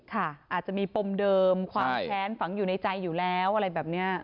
อาจจะมีปมเดิมความแค้นฝังอยู่ในใจอยู่แล้วอะไรแบบนี้